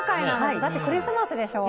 だってクリスマスでしょ。